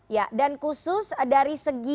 ya dan khusus dari segi